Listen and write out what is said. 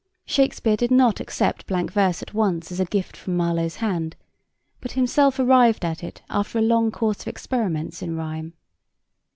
Shakespeare did not accept blank verse at once as a gift from Marlowe's hand, but himself arrived at it after a long course of experiments in rhyme.